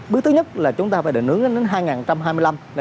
bước thứ nhất là chúng ta phải định hướng đến hai nghìn hai mươi năm